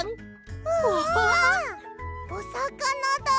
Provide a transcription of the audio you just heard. うわ！おさかなだ！